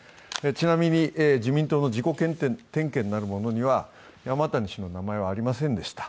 ちなみに、自民党の自己点検なるものには山谷氏の名前はありませんでした。